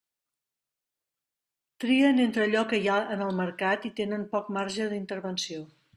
Trien entre allò que hi ha en el mercat i tenen poc marge d'intervenció.